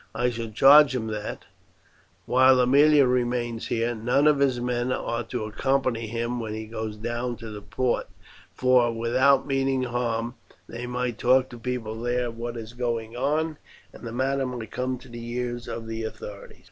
I shall charge him that, while Aemilia remains here, none of his men are to accompany him when he goes down to the port, for, without meaning harm, they might talk to people there of what is going on, and the matter might come to the ears of the authorities."